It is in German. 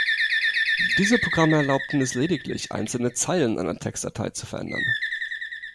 Diese Programme erlaubten es lediglich, einzelne Zeilen einer Textdatei zu verändern.